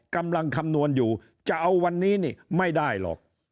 คำนวณอยู่จะเอาวันนี้นี่ไม่ได้หรอก